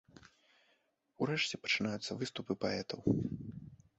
Урэшце пачынаюцца выступы паэтаў.